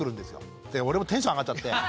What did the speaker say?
で俺もテンション上がっちゃって。